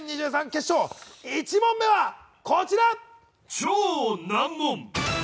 決勝１問目はこちら！